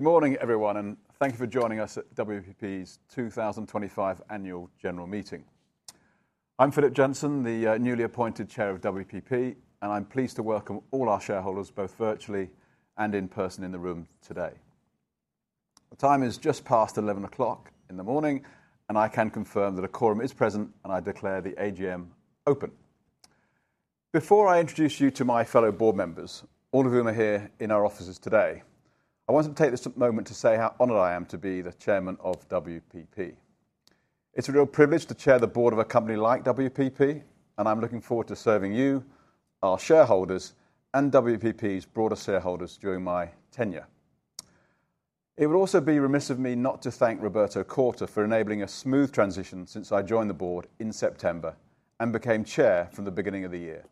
Good morning, everyone, and thank you for joining us at WPP's 2025 Annual General Meeting. I'm Philip Johnson, the newly appointed Chair of WPP, and I'm pleased to welcome all our shareholders, both virtually and in person, in the room today. The time is just past 11:00 A.M., and I can confirm that a quorum is present, and I declare the AGM open. Before I introduce you to my fellow Board members, all of whom are here in our offices today, I wanted to take this moment to say how honored I am to be the Chairman of WPP. It's a real privilege to chair the Board of a company like WPP, and I'm looking forward to serving you, our shareholders, and WPP's broader shareholders during my tenure. It would also be remiss of me not to thank Roberto Quarta for enabling a smooth transition since I joined the Board in September and became Chair from the beginning of the year.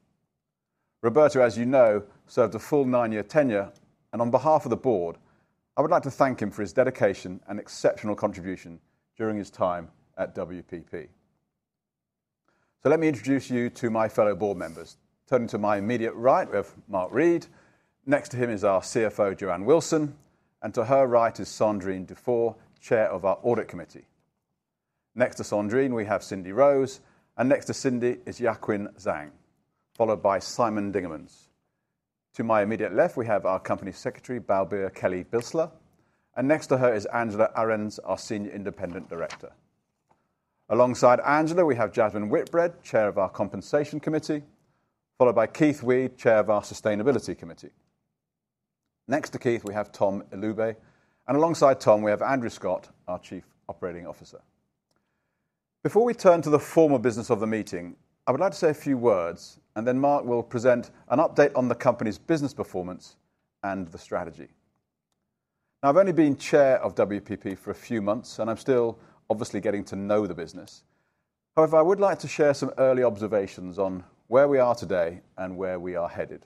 Roberto, as you know, served a full nine-year tenure, and on behalf of the Board, I would like to thank him for his dedication and exceptional contribution during his time at WPP. Let me introduce you to my fellow Board members. Turning to my immediate right, we have Mark Read. Next to him is our CFO, Joanne Wilson, and to her right is Sandrine Dufour, Chair of our Audit Committee. Next to Sandrine, we have Cindy Rose, and next to Cindy is Yaqin Zhang, followed by Simon Dingemans. To my immediate left, we have our Company Secretary, Balbir Kelly-Bisla, and next to her is Angela Ahrendts, our Senior Independent Director. Alongside Angela, we have Jasmine Whitbread, Chair of our Compensation Committee, followed by Keith Weed, Chair of our Sustainability Committee. Next to Keith, we have Tom Ilube, and alongside Tom, we have Andrew Scott, our Chief Operating Officer. Before we turn to the formal business of the meeting, I would like to say a few words, and then Mark will present an update on the company's business performance and the strategy. Now, I've only been Chair of WPP for a few months, and I'm still obviously getting to know the business. However, I would like to share some early observations on where we are today and where we are headed.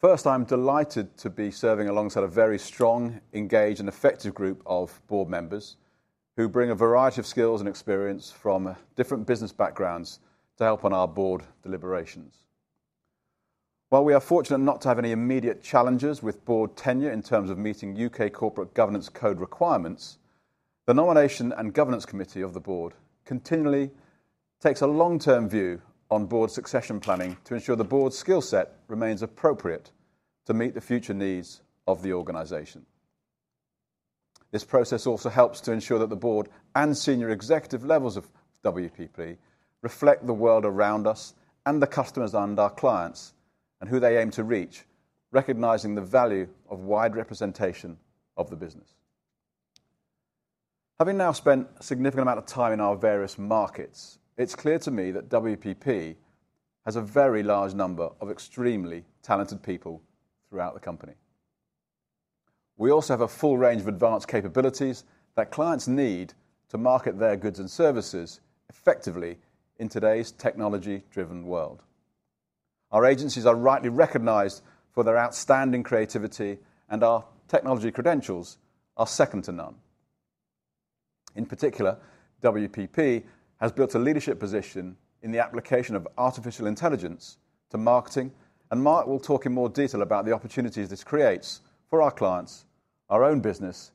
First, I'm delighted to be serving alongside a very strong, engaged, and effective group of Board members who bring a variety of skills and experience from different business backgrounds to help on our Board deliberations. While we are fortunate not to have any immediate challenges with Board tenure in terms of meeting U.K. corporate governance code requirements, the Nomination and Governance Committee of the Board continually takes a long-term view on Board succession planning to ensure the Board's skill set remains appropriate to meet the future needs of the organization. This process also helps to ensure that the Board and senior executive levels of WPP reflect the world around us and the customers and our clients and who they aim to reach, recognizing the value of wide representation of the business. Having now spent a significant amount of time in our various markets, it's clear to me that WPP has a very large number of extremely talented people throughout the company. We also have a full range of advanced capabilities that clients need to market their goods and services effectively in today's technology-driven world. Our agencies are rightly recognized for their outstanding creativity, and our technology credentials are second to none. In particular, WPP has built a leadership position in the application of artificial intelligence to marketing, and Mark will talk in more detail about the opportunities this creates for our clients, our own business,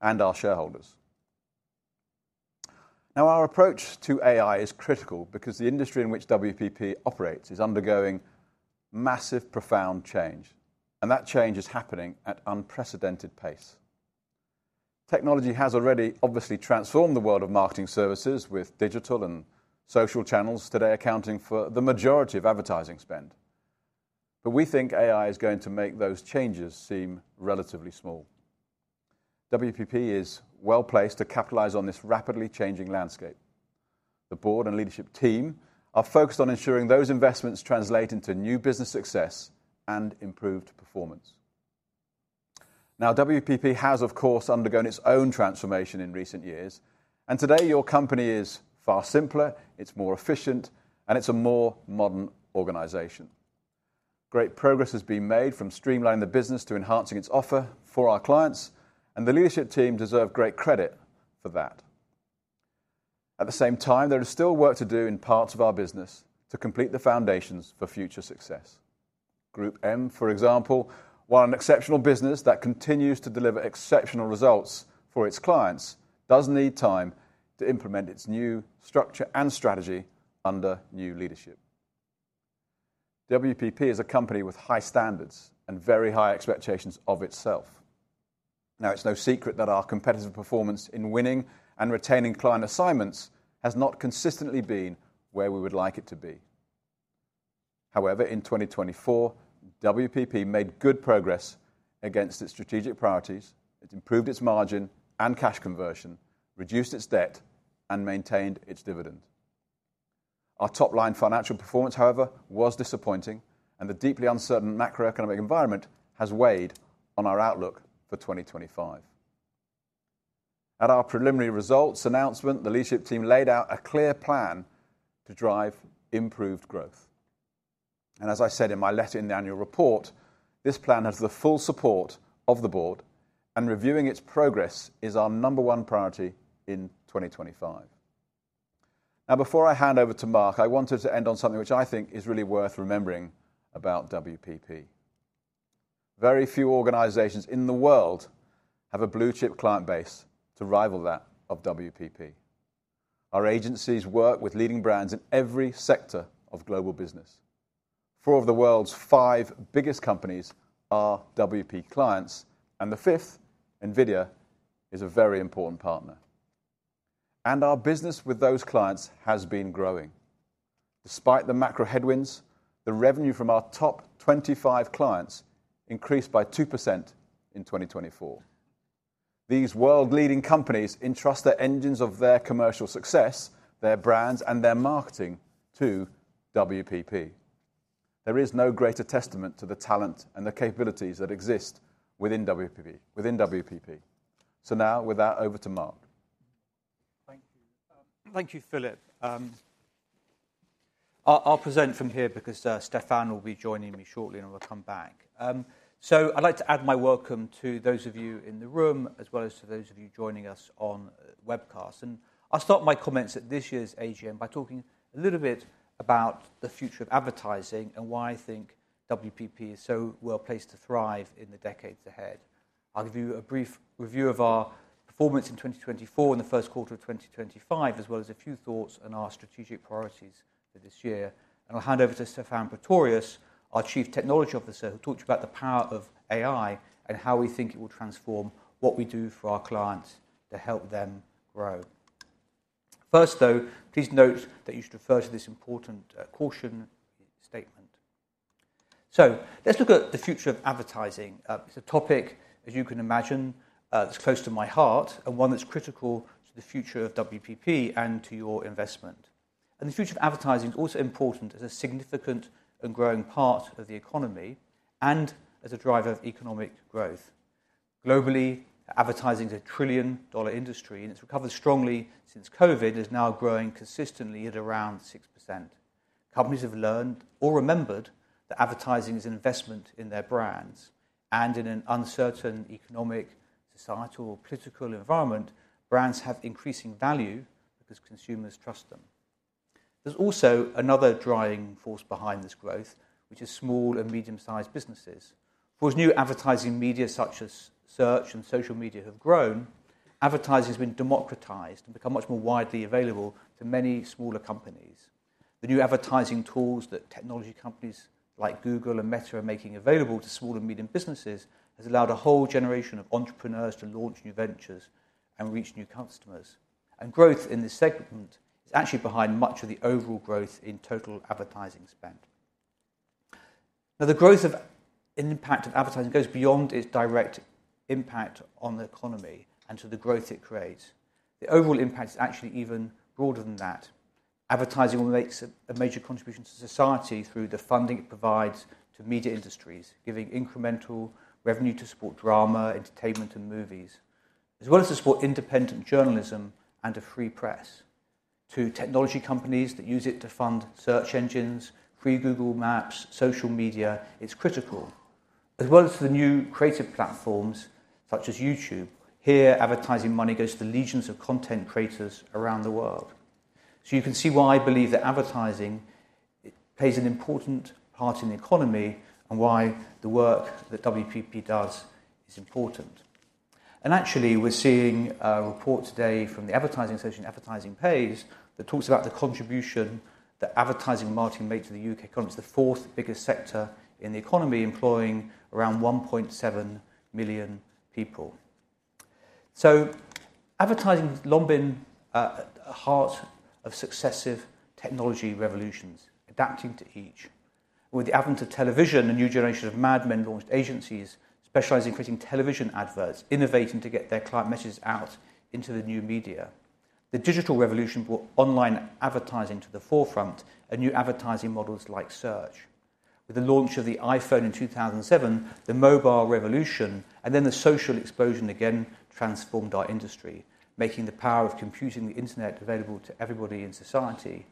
and our shareholders. Now, our approach to AI is critical because the industry in which WPP operates is undergoing massive, profound change, and that change is happening at unprecedented pace. Technology has already obviously transformed the world of marketing services with digital and social channels today accounting for the majority of advertising spend, but we think AI is going to make those changes seem relatively small. WPP is well placed to capitalize on this rapidly changing landscape. The Board and leadership team are focused on ensuring those investments translate into new business success and improved performance. Now, WPP has, of course, undergone its own transformation in recent years, and today your company is far simpler, it's more efficient, and it's a more modern organization. Great progress has been made from streamlining the business to enhancing its offer for our clients, and the leadership team deserve great credit for that. At the same time, there is still work to do in parts of our business to complete the foundations for future success. GroupM, for example, while an exceptional business that continues to deliver exceptional results for its clients, does need time to implement its new structure and strategy under new leadership. WPP is a company with high standards and very high expectations of itself. Now, it's no secret that our competitive performance in winning and retaining client assignments has not consistently been where we would like it to be. However, in 2024, WPP made good progress against its strategic priorities. It improved its margin and cash conversion, reduced its debt, and maintained its dividend. Our top-line financial performance, however, was disappointing, and the deeply uncertain macroeconomic environment has weighed on our outlook for 2025. At our preliminary results announcement, the leadership team laid out a clear plan to drive improved growth. As I said in my letter in the annual report, this plan has the full support of the Board, and reviewing its progress is our number one priority in 2025. Now, before I hand over to Mark, I wanted to end on something which I think is really worth remembering about WPP. Very few organizations in the world have a blue-chip client base to rival that of WPP. Our agencies work with leading brands in every sector of global business. Four of the world's five biggest companies are WPP clients, and the fifth, NVIDIA, is a very important partner. Our business with those clients has been growing. Despite the macro headwinds, the revenue from our top 25 clients increased by 2% in 2024. These world-leading companies entrust the engines of their commercial success, their brands, and their marketing to WPP. There is no greater testament to the talent and the capabilities that exist within WPP. Now, with that, over to Mark. Thank you. Thank you, Philip. I'll present from here because Stephan will be joining me shortly, and we'll come back. I would like to add my welcome to those of you in the room, as well as to those of you joining us on webcast. I will start my comments at this year's AGM by talking a little bit about the future of advertising and why I think WPP is so well placed to thrive in the decades ahead. I will give you a brief review of our performance in 2024 and the first quarter of 2025, as well as a few thoughts on our strategic priorities for this year. I will hand over to Stephan Pretorius, our Chief Technology Officer, who will talk to you about the power of AI and how we think it will transform what we do for our clients to help them grow. First, though, please note that you should refer to this important caution statement. Let's look at the future of advertising. It's a topic, as you can imagine, that's close to my heart and one that's critical to the future of WPP and to your investment. The future of advertising is also important as a significant and growing part of the economy and as a driver of economic growth. Globally, advertising is a trillion-dollar industry, and it's recovered strongly since COVID and is now growing consistently at around 6%. Companies have learned or remembered that advertising is an investment in their brands, and in an uncertain economic, societal, or political environment, brands have increasing value because consumers trust them. There's also another driving force behind this growth, which is small and medium-sized businesses. Of course, new advertising media such as search and social media have grown. Advertising has been democratized and become much more widely available to many smaller companies. The new advertising tools that technology companies like Google and Meta are making available to small and medium businesses has allowed a whole generation of entrepreneurs to launch new ventures and reach new customers. Growth in this segment is actually behind much of the overall growth in total advertising spend. Now, the growth and impact of advertising goes beyond its direct impact on the economy and to the growth it creates. The overall impact is actually even broader than that. Advertising makes a major contribution to society through the funding it provides to media industries, giving incremental revenue to support drama, entertainment, and movies, as well as to support independent journalism and a free press. To technology companies that use it to fund search engines, free Google Maps, social media, it's critical, as well as to the new creative platforms such as YouTube. Here, advertising money goes to the legions of content creators around the world. You can see why I believe that advertising plays an important part in the economy and why the work that WPP does is important. Actually, we're seeing a report today from the Advertising Association Advertising Pays that talks about the contribution that advertising and marketing make to the U.K. economy. It's the fourth biggest sector in the economy, employing around 1.7 million people. Advertising has long been a heart of successive technology revolutions, adapting to each. With the advent of television, a new generation of madmen launched agencies specializing in creating television adverts, innovating to get their client messages out into the new media. The digital revolution brought online advertising to the forefront and new advertising models like search. With the launch of the iPhone in 2007, the mobile revolution, then the social explosion again transformed our industry, making the power of computing the internet available to everybody in society.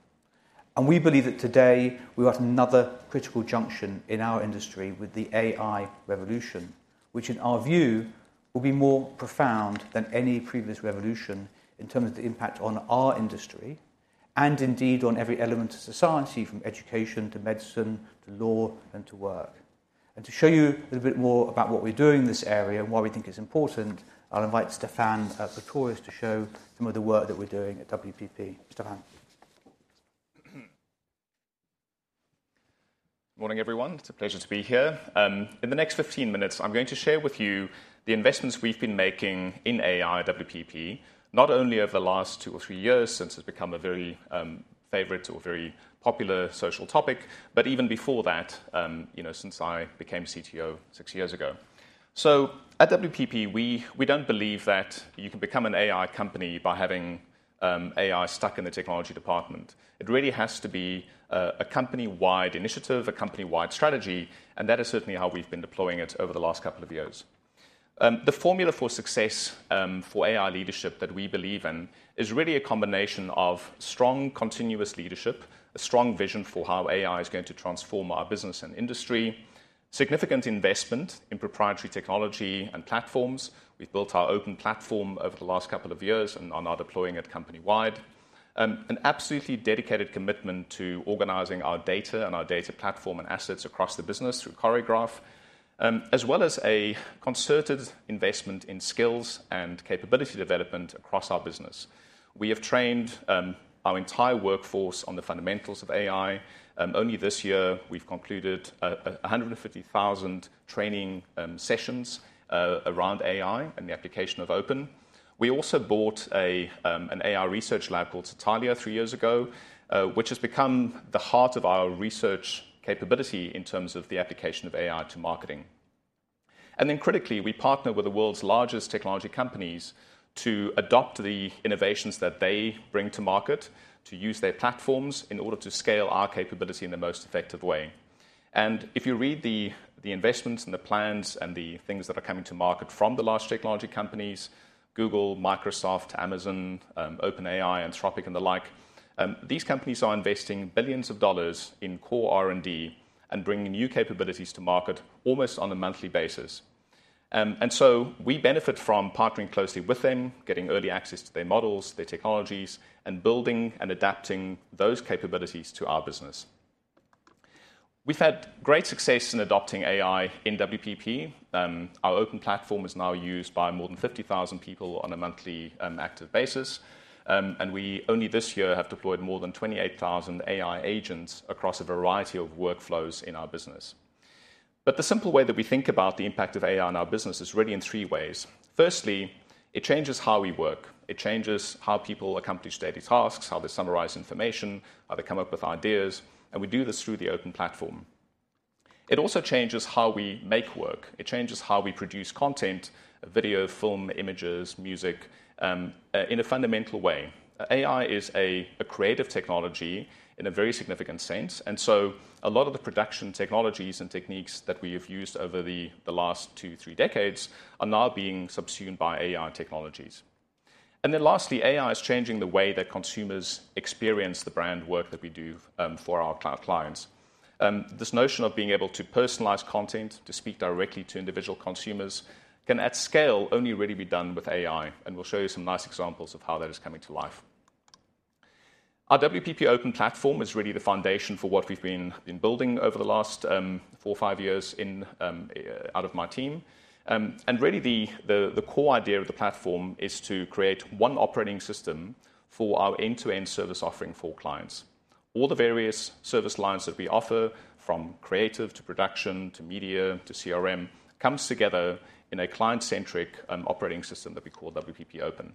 We believe that today we are at another critical junction in our industry with the AI revolution, which in our view will be more profound than any previous revolution in terms of the impact on our industry and indeed on every element of society, from education to medicine to law and to work. To show you a little bit more about what we're doing in this area and why we think it's important, I'll invite Stephan Pretorius to show some of the work that we're doing at WPP. Stephan. Good morning, everyone. It's a pleasure to be here. In the next 15 minutes, I'm going to share with you the investments we've been making in AI at WPP, not only over the last two or three years since it's become a very favorite or very popular social topic, but even before that, since I became CTO six years ago. At WPP, we don't believe that you can become an AI company by having AI stuck in the technology department. It really has to be a company-wide initiative, a company-wide strategy, and that is certainly how we've been deploying it over the last couple of years. The formula for success for AI leadership that we believe in is really a combination of strong continuous leadership, a strong vision for how AI is going to transform our business and industry, significant investment in proprietary technology and platforms. We've built our open platform over the last couple of years and are now deploying it company-wide, an absolutely dedicated commitment to organizing our data and our data platform and assets across the business through Choreograph, as well as a concerted investment in skills and capability development across our business. We have trained our entire workforce on the fundamentals of AI. Only this year, we've concluded 150,000 training sessions around AI and the application of Open. We also bought an AI research lab called Satalia three years ago, which has become the heart of our research capability in terms of the application of AI to marketing. Critically, we partner with the world's largest technology companies to adopt the innovations that they bring to market, to use their platforms in order to scale our capability in the most effective way. If you read the investments and the plans and the things that are coming to market from the large technology companies, Google, Microsoft, Amazon, OpenAI, Anthropic, and the like, these companies are investing billions of dollars in core R&D and bringing new capabilities to market almost on a monthly basis. We benefit from partnering closely with them, getting early access to their models, their technologies, and building and adapting those capabilities to our business. We've had great success in adopting AI in WPP. Our open platform is now used by more than 50,000 people on a monthly active basis, and we only this year have deployed more than 28,000 AI agents across a variety of workflows in our business. The simple way that we think about the impact of AI on our business is really in three ways. Firstly, it changes how we work. It changes how people accomplish daily tasks, how they summarize information, how they come up with ideas, and we do this through the open platform. It also changes how we make work. It changes how we produce content, video, film, images, music, in a fundamental way. AI is a creative technology in a very significant sense, and so a lot of the production technologies and techniques that we have used over the last two, three decades are now being subsumed by AI technologies. Lastly, AI is changing the way that consumers experience the brand work that we do for our clients. This notion of being able to personalize content, to speak directly to individual consumers, can at scale only really be done with AI, and we will show you some nice examples of how that is coming to life. Our WPP Open platform is really the foundation for what we've been building over the last four or five years out of my team. Really, the core idea of the platform is to create one operating system for our end-to-end service offering for clients. All the various service lines that we offer, from creative to production to media to CRM, come together in a client-centric operating system that we call WPP Open.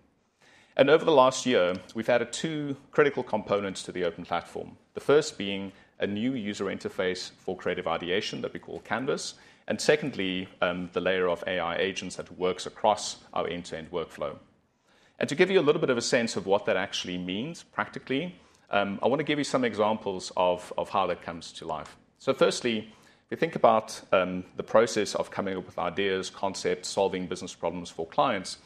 Over the last year, we've added two critical components to the Open platform, the first being a new user interface for creative ideation that we call Canvas, and secondly, the layer of AI agents that works across our end-to-end workflow. To give you a little bit of a sense of what that actually means practically, I want to give you some examples of how that comes to life. Firstly, if you think about the process of coming up with ideas, concepts, solving business problems for clients,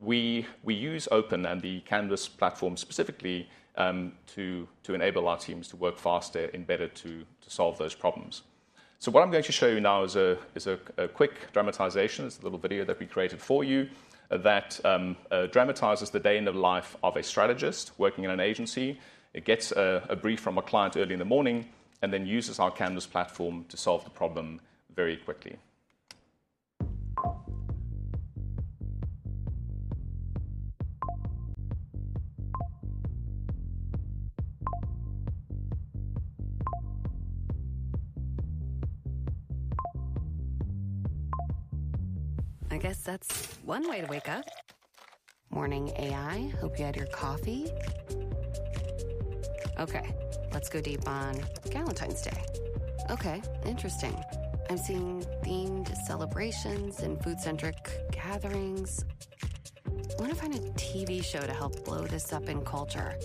we use Open and the Canvas platform specifically to enable our teams to work faster, embedded to solve those problems. What I'm going to show you now is a quick dramatisation. It's a little video that we created for you that dramatises the day in the life of a strategist working in an agency. It gets a brief from a client early in the morning and then uses our Canvas platform to solve the problem very quickly. I guess that's one way to wake up. Morning, AI. Hope you had your coffee. Okay, let's go deep on Valentine's Day. Okay, interesting. I'm seeing themed celebrations and food-centric gatherings. I want to find a TV show to help blow this up in culture.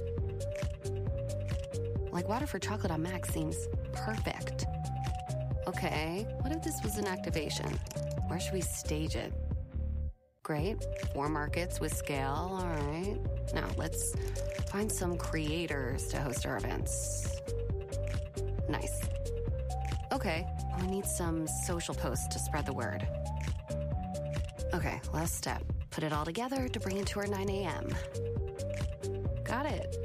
Like Water for Chocolate on Max seems perfect. Okay, what if this was an activation? Where should we stage it? Great. Warm markets with scale. All right. Now let's find some creators to host our events. Nice. Okay, I need some social posts to spread the word. Okay, last step. Put it all together to bring it to our 9:00 A.M. Got it.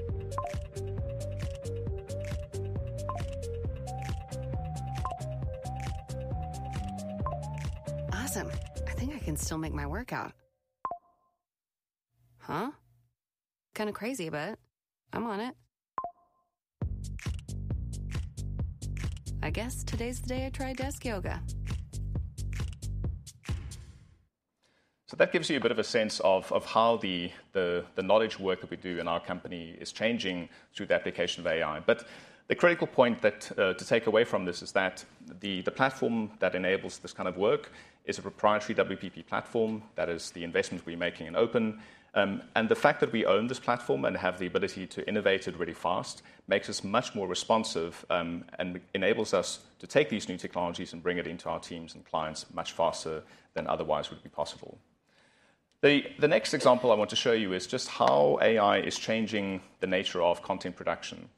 Awesome. I think I can still make my workout. Huh? Kind of crazy, but I'm on it. I guess today's the day I try desk yoga. That gives you a bit of a sense of how the knowledge work that we do in our company is changing through the application of AI. The critical point to take away from this is that the platform that enables this kind of work is a proprietary WPP platform. That is the investment we're making in Open. The fact that we own this platform and have the ability to innovate it really fast makes us much more responsive and enables us to take these new technologies and bring it into our teams and clients much faster than otherwise would be possible. The next example I want to show you is just how AI is changing the nature of content production.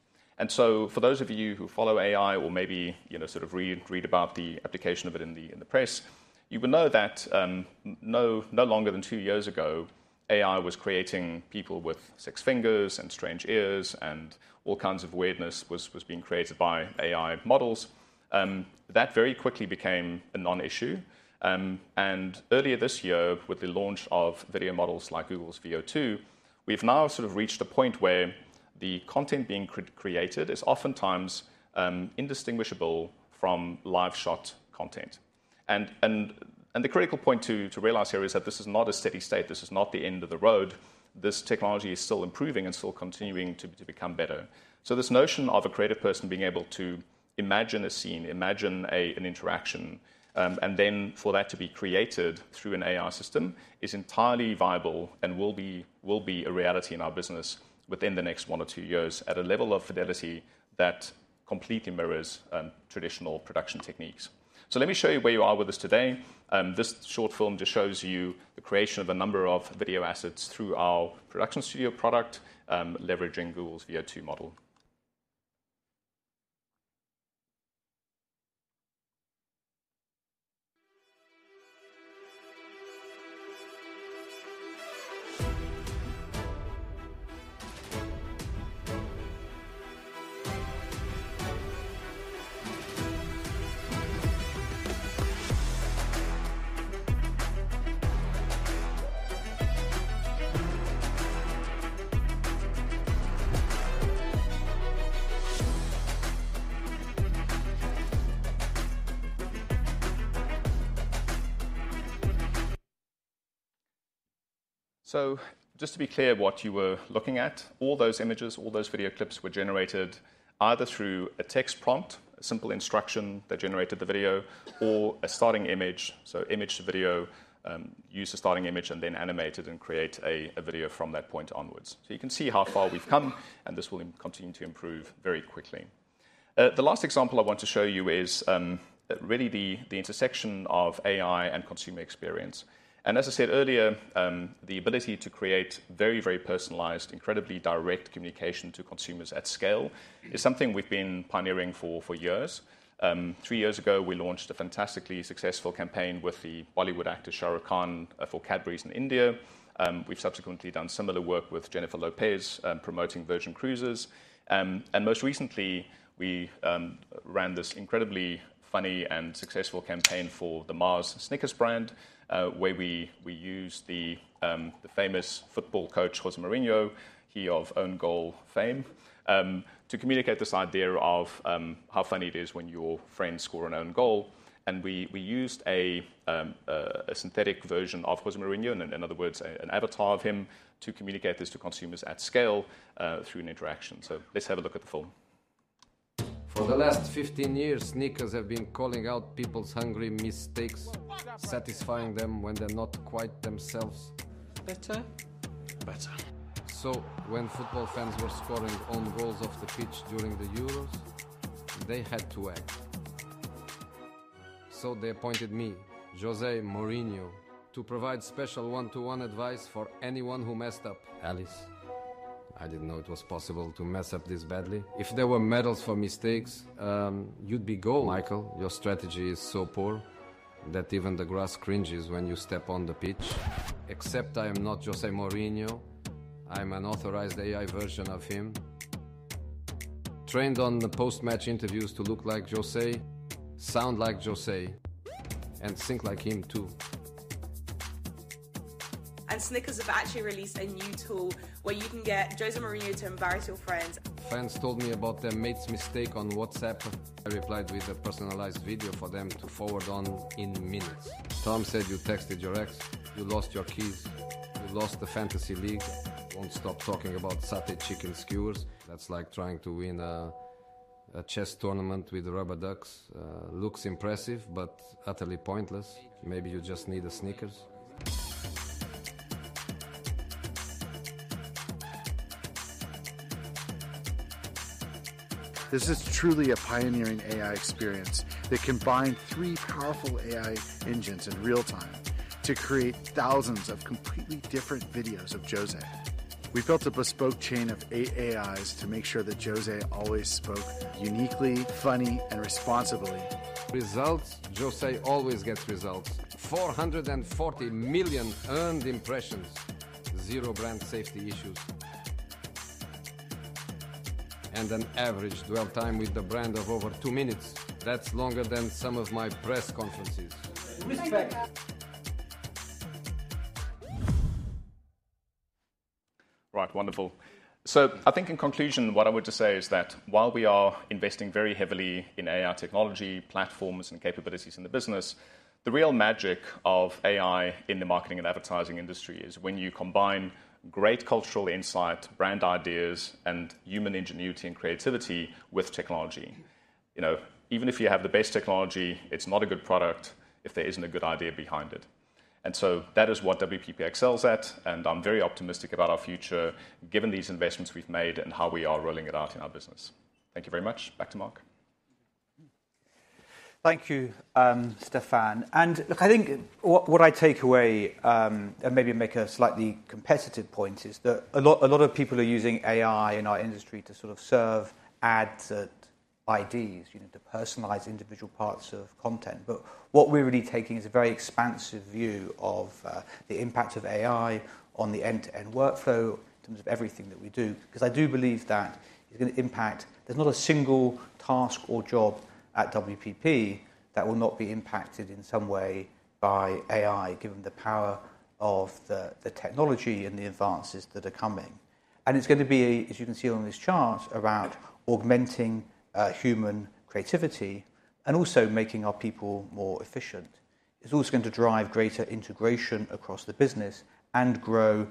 For those of you who follow AI or maybe sort of read about the application of it in the press, you will know that no longer than two years ago, AI was creating people with six fingers and strange ears and all kinds of weirdness was being created by AI models. That very quickly became a non-issue. Earlier this year, with the launch of video models like Google's VE02, we've now sort of reached a point where the content being created is oftentimes indistinguishable from live-shot content. The critical point to realize here is that this is not a steady state. This is not the end of the road. This technology is still improving and still continuing to become better. This notion of a creative person being able to imagine a scene, imagine an interaction, and then for that to be created through an AI system is entirely viable and will be a reality in our business within the next one or two years at a level of fidelity that completely mirrors traditional production techniques. Let me show you where you are with this today. This short film just shows you the creation of a number of video assets through our production studio product, leveraging Google's VE02 model. Just to be clear what you were looking at, all those images, all those video clips were generated either through a text prompt, a simple instruction that generated the video, or a starting image. Image to video, use a starting image and then animate it and create a video from that point onwards. You can see how far we've come, and this will continue to improve very quickly. The last example I want to show you is really the intersection of AI and consumer experience. As I said earlier, the ability to create very, very personalized, incredibly direct communication to consumers at scale is something we've been pioneering for years. Two years ago, we launched a fantastically successful campaign with the Bollywood actor Shah Rukh Khan for Cadbury in India. We've subsequently done similar work with Jennifer Lopez promoting Virgin Voyages. Most recently, we ran this incredibly funny and successful campaign for the Mars Snickers brand, where we used the famous football coach José Mourinho, he of own goal fame, to communicate this idea of how funny it is when your friends score an own goal. We used a synthetic version of José Mourinho, in other words, an avatar of him, to communicate this to consumers at scale through an interaction. Let's have a look at the film. For the last 15 years, Snickers have been calling out people's hungry mistakes, satisfying them when they're not quite themselves. Better? Better. When football fans were scoring own goals off the pitch during the Euros, they had to act. They appointed me, José Mourinho, to provide special one-to-one advice for anyone who messed up. Alice, I did not know it was possible to mess up this badly. If there were medals for mistakes, you would be gold. Michael, your strategy is so poor that even the grass cringes when you step on the pitch. Except I am not José Mourinho. I am an authorized AI version of him. Trained on the post-match interviews to look like José, sound like José, and sing like him too. Snickers have actually released a new tool where you can get José Mourinho to embarrass your friends. Fans told me about their mate's mistake on WhatsApp. I replied with a personalized video for them to forward on in minutes. Tom said you texted your ex, you lost your keys, you lost the Fantasy League. Won't stop talking about satay chicken skewers. That's like trying to win a chess tournament with rubber ducks. Looks impressive, but utterly pointless. Maybe you just need a Snickers. This is truly a pioneering AI experience that combined three powerful AI engines in real time to create thousands of completely different videos of José. We built a bespoke chain of AIs to make sure that José always spoke uniquely, funny, and responsibly. Results? José always gets results. 440 million earned impressions, zero brand safety issues. An average dwell time with the brand of over two minutes. That's longer than some of my press conferences. Respect. Right, wonderful. I think in conclusion, what I want to say is that while we are investing very heavily in AI technology, platforms, and capabilities in the business, the real magic of AI in the marketing and advertising industry is when you combine great cultural insight, brand ideas, and human ingenuity and creativity with technology. Even if you have the best technology, it's not a good product if there isn't a good idea behind it. That is what WPP excels at, and I'm very optimistic about our future given these investments we've made and how we are rolling it out in our business. Thank you very much. Back to Mark. Thank you, Stephan. Look, I think what I take away and maybe make a slightly competitive point is that a lot of people are using AI in our industry to sort of serve ads at IDs, to personalize individual parts of content. What we're really taking is a very expansive view of the impact of AI on the end-to-end workflow in terms of everything that we do. I do believe that it's going to impact, there's not a single task or job at WPP that will not be impacted in some way by AI, given the power of the technology and the advances that are coming. It's going to be, as you can see on this chart, around augmenting human creativity and also making our people more efficient. is also going to drive greater integration across the business and grow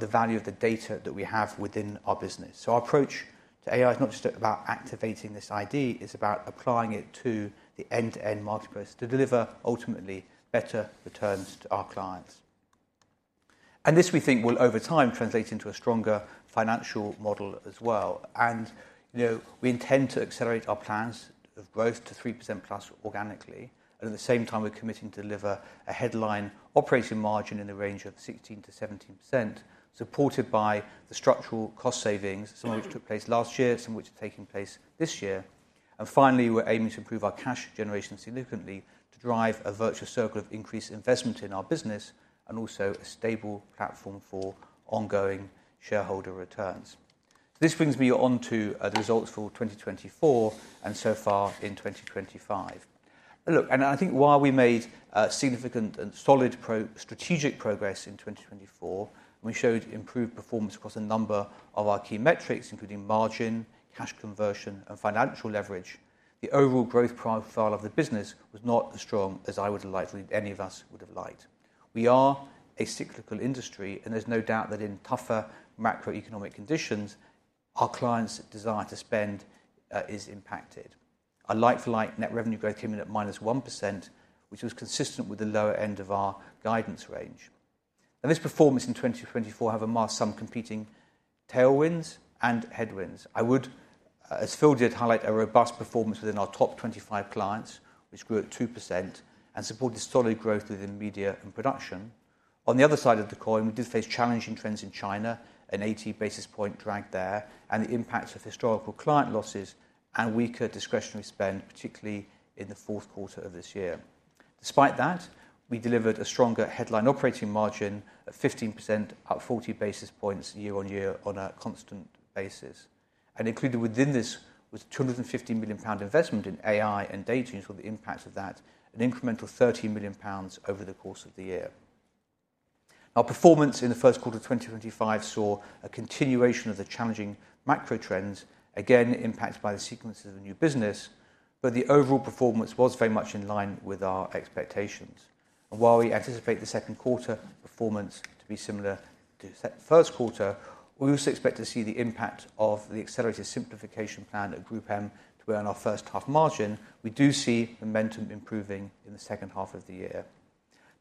the value of the data that we have within our business. Our approach to AI is not just about activating this ID, it is about applying it to the end-to-end marketplace to deliver ultimately better returns to our clients. This, we think, will over time translate into a stronger financial model as well. We intend to accelerate our plans of growth to 3%+ organically. At the same time, we are committing to deliver a headline operating margin in the range of 16%-17%, supported by the structural cost savings, some of which took place last year, some of which are taking place this year. Finally, we are aiming to improve our cash generation significantly to drive a virtuous circle of increased investment in our business and also a stable platform for ongoing shareholder returns. This brings me on to the results for 2024 and so far in 2025. Look, and I think while we made significant and solid strategic progress in 2024, we showed improved performance across a number of our key metrics, including margin, cash conversion, and financial leverage. The overall growth profile of the business was not as strong as I would have liked or any of us would have liked. We are a cyclical industry, and there is no doubt that in tougher macroeconomic conditions, our clients' desire to spend is impacted. Our like-for-like net revenue growth came in at -1%, which was consistent with the lower end of our guidance range. Now, this performance in 2024 has amassed some competing tailwinds and headwinds. I would, as Phil did, highlight a robust performance within our top 25 clients, which grew at 2% and supported solid growth within media and production. On the other side of the coin, we did face challenging trends in China. An 80 basis point drag there and the impacts of historical client losses and weaker discretionary spend, particularly in the fourth quarter of this year. Despite that, we delivered a stronger headline operating margin of 15%, up 40 basis points year-on-year on a constant basis. Included within this was a 250 million pound investment in AI and data and saw the impacts of that, an incremental 30 million pounds over the course of the year. Our performance in the first quarter of 2025 saw a continuation of the challenging macro trends, again impacted by the sequences of a new business, but the overall performance was very much in line with our expectations. While we anticipate the second quarter performance to be similar to the first quarter, we also expect to see the impact of the accelerated simplification plan at GroupM to earn our first half margin. We do see momentum improving in the second half of the year.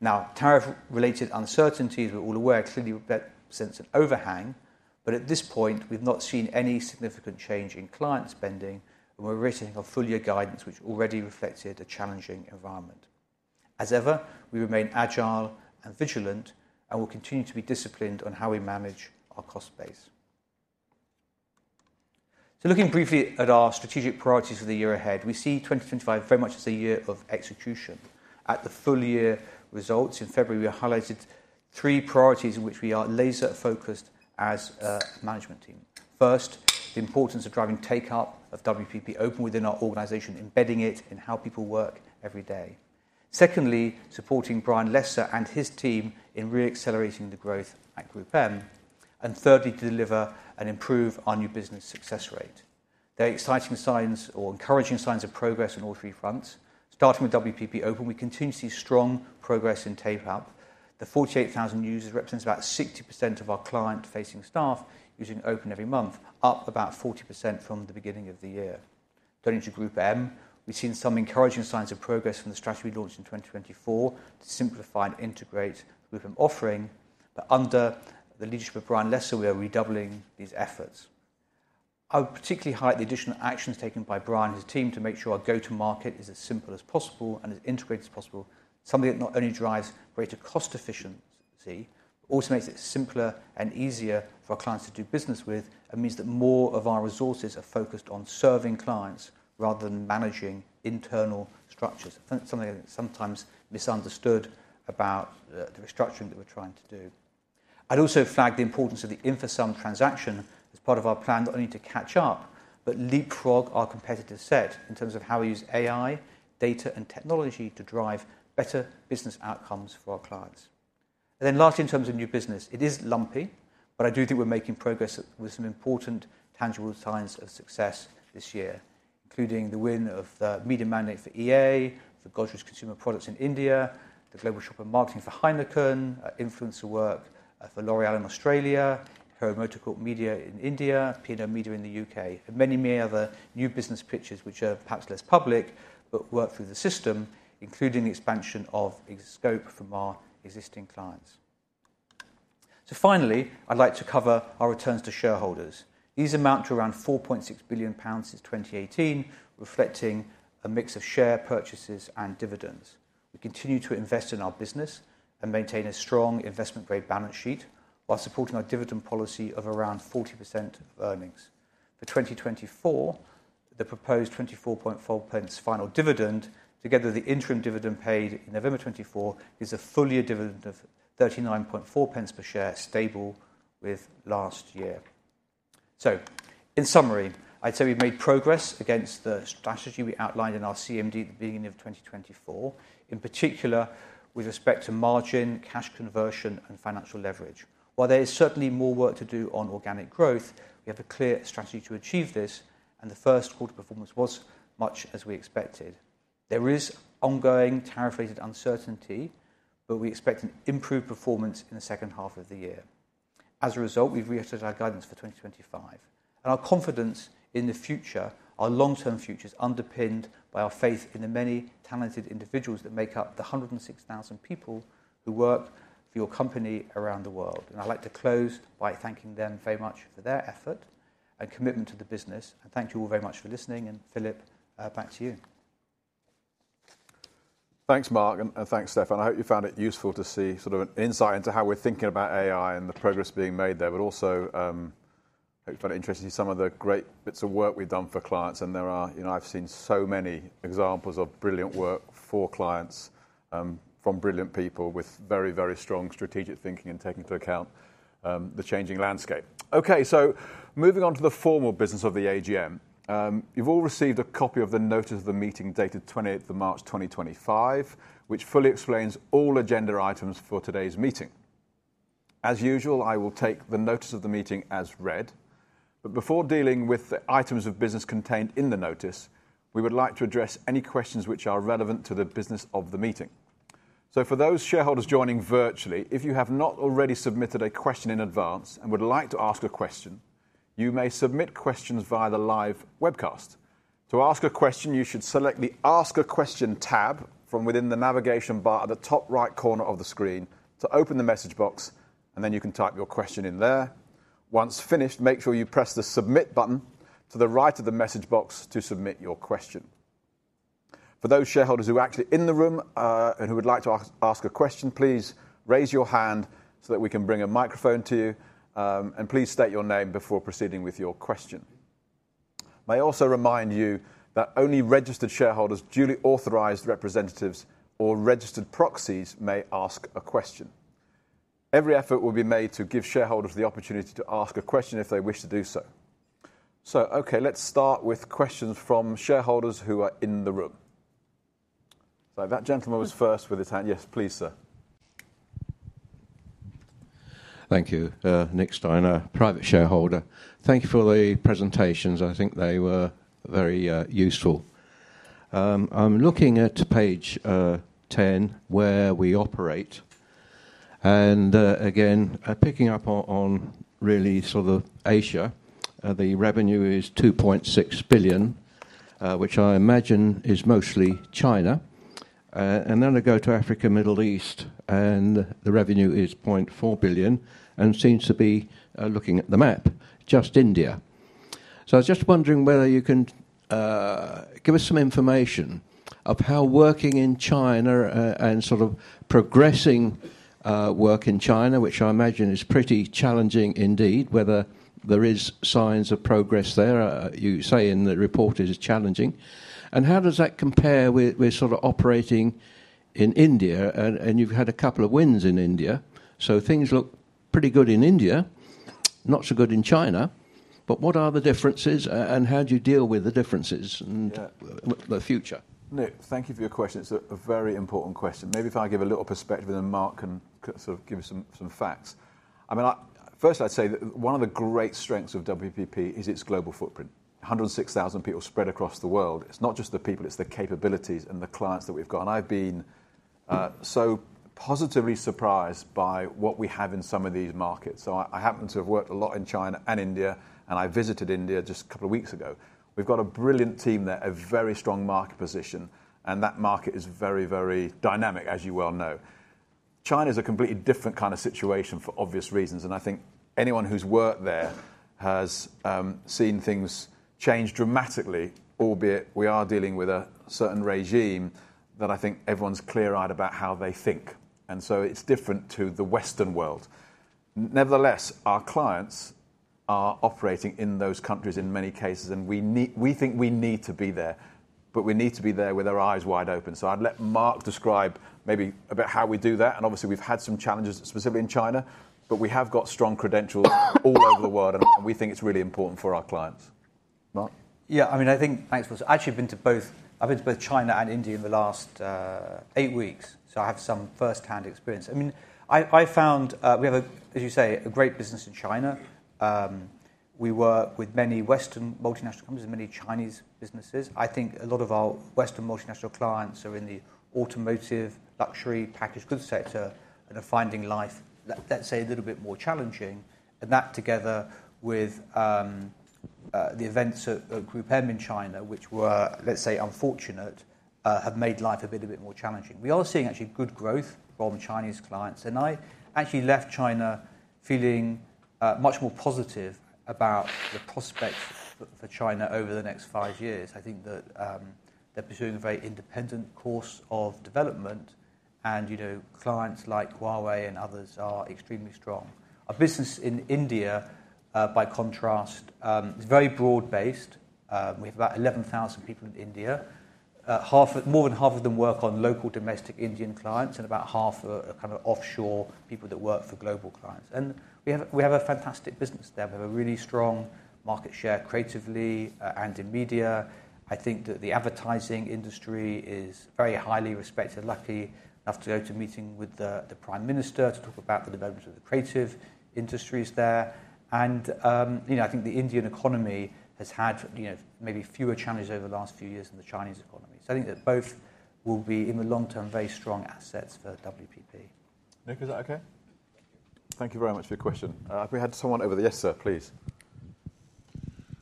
Now, tariff-related uncertainties, we're all aware, clearly represents an overhang, but at this point, we've not seen any significant change in client spending, and we're rating our full year guidance, which already reflected a challenging environment. As ever, we remain agile and vigilant and will continue to be disciplined on how we manage our cost base. Looking briefly at our strategic priorities for the year ahead, we see 2025 very much as a year of execution. At the full year results in February, we highlighted three priorities in which we are laser-focused as a management team. First, the importance of driving take-up of WPP Open within our organization, embedding it in how people work every day. Secondly, supporting Brian Lesser and his team in re-accelerating the growth at GroupM. Thirdly, to deliver and improve our new business success rate. There are exciting signs or encouraging signs of progress on all three fronts. Starting with WPP Open, we continue to see strong progress in take-up. The 48,000 users represent about 60% of our client-facing staff using Open every month, up about 40% from the beginning of the year. Turning to GroupM, we've seen some encouraging signs of progress from the strategy we launched in 2024 to simplify and integrate GroupM offering, but under the leadership of Brian Lesser, we are redoubling these efforts. I would particularly highlight the additional actions taken by Brian and his team to make sure our go-to-market is as simple as possible and as integrated as possible, something that not only drives greater cost efficiency, but also makes it simpler and easier for our clients to do business with and means that more of our resources are focused on serving clients rather than managing internal structures, something that's sometimes misunderstood about the restructuring that we're trying to do. I'd also flag the importance of the Infosum transaction as part of our plan, not only to catch up, but leapfrog our competitive set in terms of how we use AI, data, and technology to drive better business outcomes for our clients. Lastly, in terms of new business, it is lumpy, but I do think we're making progress with some important tangible signs of success this year, including the win of the media mandate for EA, for Godrej Consumer Products in India, the global shopper marketing for Heineken, influencer work for L'Oréal in Australia, Hero MotoCorp media in India, P&O media in the U.K., and many, many other new business pitches which are perhaps less public but work through the system, including the expansion of scope from our existing clients. Finally, I'd like to cover our returns to shareholders. These amount to around 4.6 billion pounds since 2018, reflecting a mix of share purchases and dividends. We continue to invest in our business and maintain a strong investment-grade balance sheet while supporting our dividend policy of around 40% of earnings. For 2024, the proposed 0.244 final dividend, together with the interim dividend paid in November 2024, is a full year dividend of 0.394 per share, stable with last year. In summary, I'd say we've made progress against the strategy we outlined in our CMD at the beginning of 2024, in particular with respect to margin, cash conversion, and financial leverage. While there is certainly more work to do on organic growth, we have a clear strategy to achieve this, and the first quarter performance was much as we expected. There is ongoing tariff-related uncertainty, but we expect an improved performance in the second half of the year. As a result, we've re-actualised our guidance for 2025. Our confidence in the future, our long-term future, is underpinned by our faith in the many talented individuals that make up the 106,000 people who work for your company around the world. I would like to close by thanking them very much for their effort and commitment to the business. Thank you all very much for listening. Philip, back to you. Thanks, Mark, and thanks, Stephan. I hope you found it useful to see sort of an insight into how we're thinking about AI and the progress being made there. I also hope you found it interesting to see some of the great bits of work we've done for clients. There are, I've seen so many examples of brilliant work for clients from brilliant people with very, very strong strategic thinking and taking into account the changing landscape. Okay, moving on to the formal business of the AGM, you've all received a copy of the notice of the meeting dated 28th of March 2025, which fully explains all agenda items for today's meeting. As usual, I will take the notice of the meeting as read. Before dealing with the items of business contained in the notice, we would like to address any questions which are relevant to the business of the meeting. For those shareholders joining virtually, if you have not already submitted a question in advance and would like to ask a question, you may submit questions via the live webcast. To ask a question, you should select the Ask a Question tab from within the navigation bar at the top right corner of the screen to open the message box, and then you can type your question in there. Once finished, make sure you press the submit button to the right of the message box to submit your question. For those shareholders who are actually in the room and who would like to ask a question, please raise your hand so that we can bring a microphone to you. Please state your name before proceeding with your question. May I also remind you that only registered shareholders, duly authorized representatives, or registered proxies may ask a question. Every effort will be made to give shareholders the opportunity to ask a question if they wish to do so. Let's start with questions from shareholders who are in the room. That gentleman was first with his hand. Yes, please, sir. Thank you. Nick Stein, a private shareholder. Thank you for the presentations. I think they were very useful. I'm looking at page 10, where we operate. Again, picking up on really sort of Asia, the revenue is 2.6 billion, which I imagine is mostly China. I go to Africa, Middle East, and the revenue is 0.4 billion and seems to be, looking at the map, just India. I was just wondering whether you can give us some information of how working in China and sort of progressing work in China, which I imagine is pretty challenging indeed, whether there are signs of progress there. You say in the report it is challenging. How does that compare with sort of operating in India? You've had a couple of wins in India. Things look pretty good in India, not so good in China. What are the differences and how do you deal with the differences in the future? Nick, thank you for your question. It's a very important question. Maybe if I give a little perspective and then Mark can sort of give us some facts. I mean, first, I'd say that one of the great strengths of WPP is its global footprint, 106,000 people spread across the world. It's not just the people, it's the capabilities and the clients that we've got. I have been so positively surprised by what we have in some of these markets. I happen to have worked a lot in China and India, and I visited India just a couple of weeks ago. We've got a brilliant team there, a very strong market position, and that market is very, very dynamic, as you well know. China is a completely different kind of situation for obvious reasons. I think anyone who's worked there has seen things change dramatically, albeit we are dealing with a certain regime that I think everyone's clear-eyed about how they think. It is different to the Western world. Nevertheless, our clients are operating in those countries in many cases, and we think we need to be there, but we need to be there with our eyes wide open. I would let Mark describe maybe a bit how we do that. Obviously, we've had some challenges specifically in China, but we have got strong credentials all over the world, and we think it's really important for our clients. Mark? Yeah, I mean, I think thanks for this. I've actually been to both, I've been to both China and India in the last eight weeks, so I have some firsthand experience. I mean, I found we have, as you say, a great business in China. We work with many Western multinational companies and many Chinese businesses. I think a lot of our Western multinational clients are in the automotive, luxury, packaged goods sector and are finding life, let's say, a little bit more challenging. That together with the events at GroupM in China, which were, let's say, unfortunate, have made life a bit more challenging. We are seeing actually good growth from Chinese clients. I actually left China feeling much more positive about the prospects for China over the next five years. I think that they're pursuing a very independent course of development, and clients like Huawei and others are extremely strong. Our business in India, by contrast, is very broad-based. We have about 11,000 people in India. More than half of them work on local domestic Indian clients and about half are kind of offshore people that work for global clients. We have a fantastic business there. We have a really strong market share creatively and in media. I think that the advertising industry is very highly respected. I was lucky enough to go to a meeting with the Prime Minister to talk about the development of the creative industries there. I think the Indian economy has had maybe fewer challenges over the last few years than the Chinese economy. I think that both will be, in the long term, very strong assets for WPP. Nick, is that okay? Thank you very much for your question. Have we had someone over there? Yes, sir, please.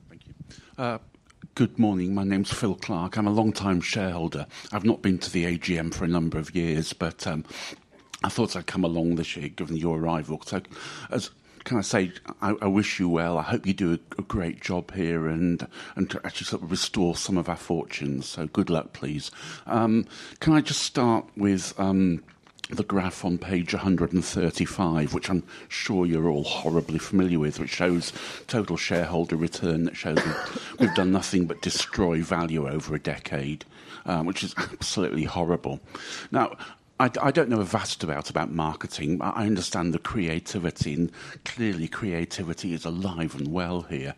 Thank you. Good morning. My name's Phil Clark. I'm a long-time shareholder. I've not been to the AGM for a number of years, but I thought I'd come along this year given your arrival. Can I say I wish you well? I hope you do a great job here and actually sort of restore some of our fortunes. Good luck, please. Can I just start with the graph on page 135, which I'm sure you're all horribly familiar with, which shows total shareholder return that shows we've done nothing but destroy value over a decade, which is absolutely horrible. I don't know a vast amount about marketing. I understand the creativity, and clearly creativity is alive and well here.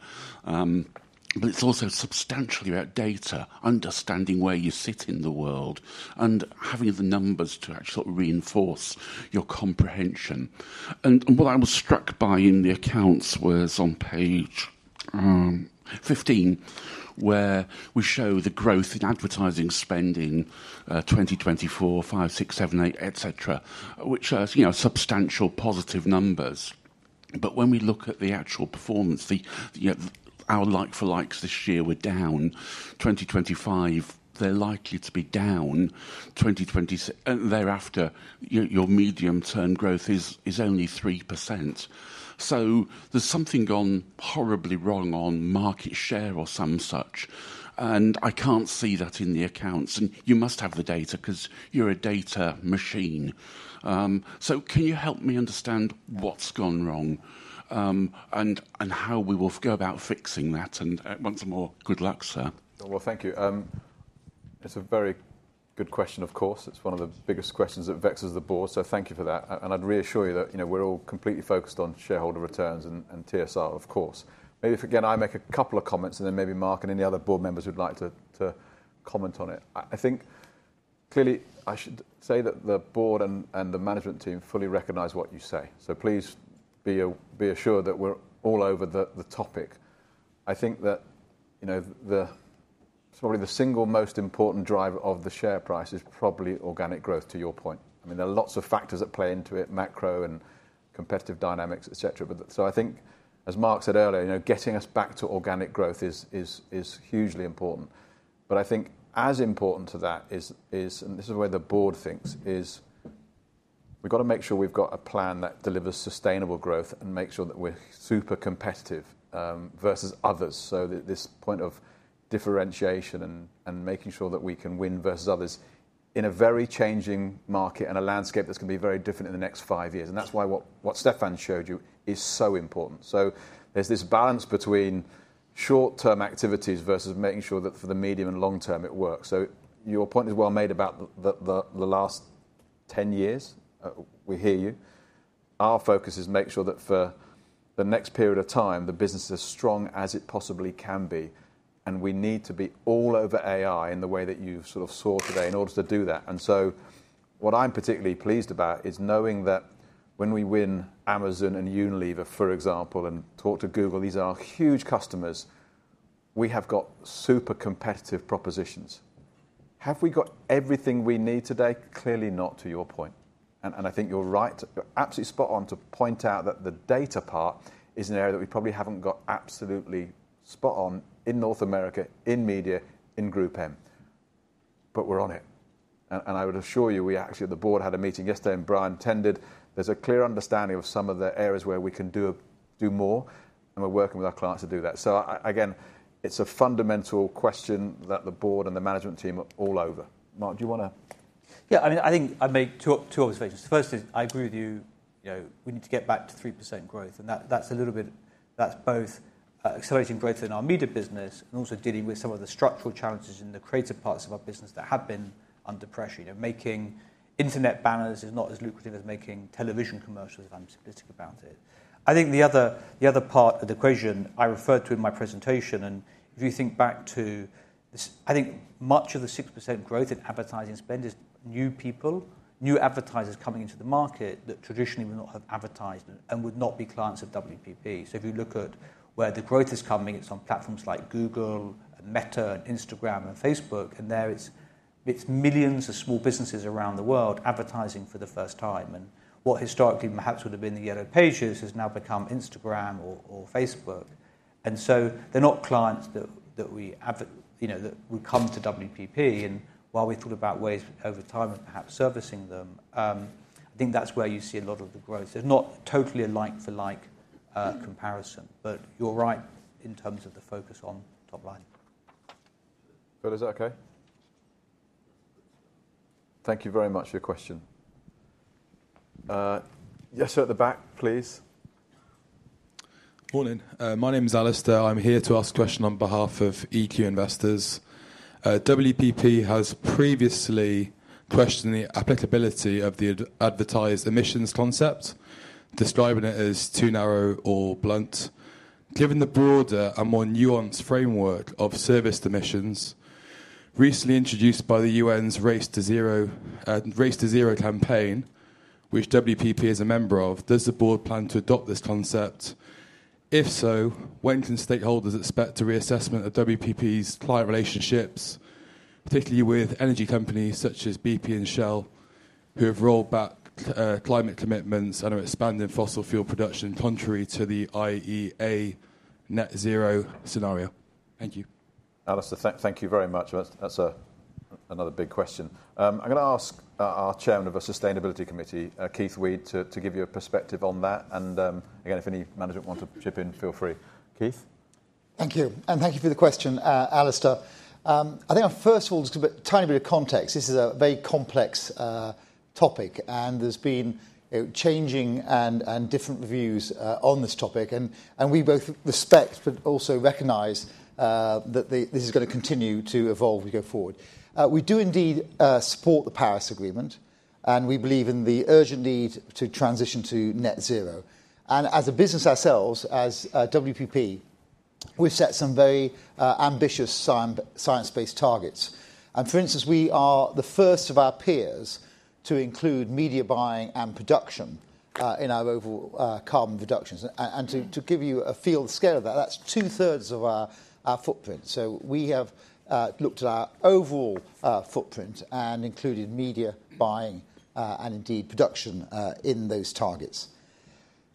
It's also substantially about data, understanding where you sit in the world and having the numbers to actually sort of reinforce your comprehension. What I was struck by in the accounts was on page 15, where we show the growth in advertising spending 2024, five, six, seven, eight, etc., which are substantial positive numbers. When we look at the actual performance, our like-for-likes this year were down. 2025, they're likely to be down. 2026, thereafter, your medium-term growth is only 3%. There is something gone horribly wrong on market share or some such. I cannot see that in the accounts. You must have the data because you're a data machine. Can you help me understand what's gone wrong and how we will go about fixing that? Once more, good luck, sir. Thank you. It's a very good question, of course. It's one of the biggest questions that vexes the Board. Thank you for that. I'd reassure you that we're all completely focused on shareholder returns and TSR, of course. Maybe if again, I make a couple of comments and then maybe Mark and any other Board members would like to comment on it. I think clearly I should say that the Board and the management team fully recognize what you say. Please be assured that we're all over the topic. I think that probably the single most important driver of the share price is probably organic growth, to your point. I mean, there are lots of factors that play into it, macro and competitive dynamics, etc. I think, as Mark said earlier, getting us back to organic growth is hugely important. I think as important to that is, and this is the way the Board thinks, we have got to make sure we have got a plan that delivers sustainable growth and makes sure that we are super competitive versus others. This point of differentiation and making sure that we can win versus others in a very changing market and a landscape that is going to be very different in the next five years. That is why what Stephan showed you is so important. There is this balance between short-term activities versus making sure that for the medium and long term it works. Your point is well made about the last 10 years. We hear you. Our focus is to make sure that for the next period of time, the business is as strong as it possibly can be. We need to be all over AI in the way that you sort of saw today in order to do that. What I am particularly pleased about is knowing that when we win Amazon and Unilever, for example, and talk to Google, these are huge customers, we have got super competitive propositions. Have we got everything we need today? Clearly not, to your point. I think you are right. You are absolutely spot on to point out that the data part is an area that we probably have not got absolutely spot on in North America, in media, in GroupM. We are on it. I would assure you, we actually at the Board had a meeting yesterday and Brian attended. There is a clear understanding of some of the areas where we can do more. We are working with our clients to do that. Again, it's a fundamental question that the Board and the management team are all over. Mark, do you want to? Yeah, I mean, I think I'd make two observations. The first is I agree with you. We need to get back to 3% growth. And that's a little bit, that's both accelerating growth in our media business and also dealing with some of the structural challenges in the creative parts of our business that have been under pressure. Making internet banners is not as lucrative as making television commercials, if I'm specific about it. I think the other part of the equation I referred to in my presentation, and if you think back to this, I think much of the 6% growth in advertising spend is new people, new advertisers coming into the market that traditionally would not have advertised and would not be clients of WPP. So if you look at where the growth is coming, it's on platforms like Google and Meta and Instagram and Facebook. There are millions of small businesses around the world advertising for the first time. What historically perhaps would have been the Yellow Pages has now become Instagram or Facebook. They are not clients that come to WPP. While we have thought about ways over time of perhaps servicing them, I think that is where you see a lot of the growth. It is not totally a like-for-like comparison. You are right in terms of the focus on top line. Phil, is that okay? Thank you very much for your question. Yes, sir, at the back, please. Morning. My name's Alistair. I'm here to ask a question on behalf of EQ Investors. WPP has previously questioned the applicability of the advertised emissions concept, describing it as too narrow or blunt. Given the broader and more nuanced framework of service emissions recently introduced by the UN's Race to Zero campaign, which WPP is a member of, does the Board plan to adopt this concept? If so, when can stakeholders expect a reassessment of WPP's client relationships, particularly with energy companies such as BP and Shell, who have rolled back climate commitments and are expanding fossil fuel production contrary to the IEA net zero scenario? Thank you. Alistair, thank you very much. That is another big question. I am going to ask our Chairman of the Sustainability Committee, Keith Weed, to give you a perspective on that. If any management want to chip in, feel free. Keith? Thank you. Thank you for the question, Alistair. I think I'll first hold a tiny bit of context. This is a very complex topic. There's been changing and different views on this topic. We both respect, but also recognize that this is going to continue to evolve as we go forward. We do indeed support the Paris Agreement. We believe in the urgent need to transition to net zero. As a business ourselves, as WPP, we've set some very ambitious science-based targets. For instance, we are the first of our peers to include media buying and production in our overall carbon reductions. To give you a feel of the scale of that, that's 2/3 of our footprint. We have looked at our overall footprint and included media buying and production in those targets.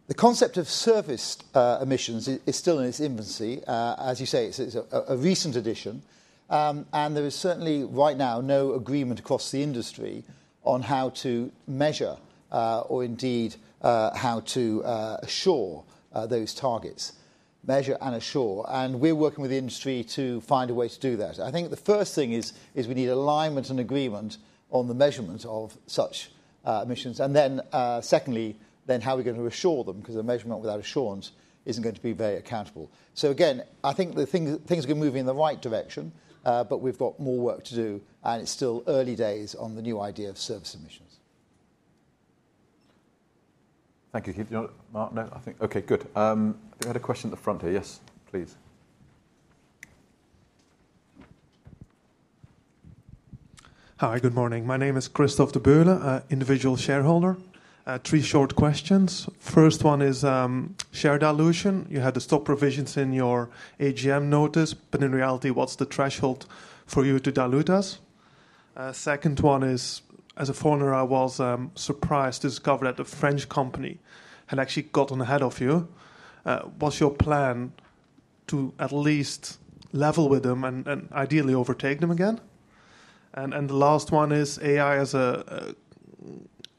The concept of service emissions is still in its infancy. As you say, it's a recent addition. There is certainly right now no agreement across the industry on how to measure or indeed how to assure those targets, measure and assure. We're working with the industry to find a way to do that. I think the first thing is we need alignment and agreement on the measurement of such emissions. Then secondly, how are we going to assure them? Because a measurement without assurance isn't going to be very accountable. I think things are going to move in the right direction, but we've got more work to do. It's still early days on the new idea of service emissions. Thank you. Keep your mark. Okay, good. We had a question at the front here. Yes, please. Hi, good morning. My name is Christoph Bühler, individual shareholder. Three short questions. First one is share dilution. You had the stock provisions in your AGM notice. In reality, what's the threshold for you to dilute us? Second one is, as a foreigner, I was surprised to discover that the French company had actually gotten ahead of you. What's your plan to at least level with them and ideally overtake them again? The last one is AI